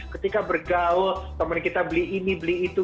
ketika bergaul teman kita beli ini beli itu